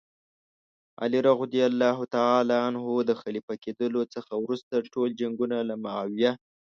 علي رض د خلیفه کېدلو څخه وروسته ټول جنګونه له معاویه.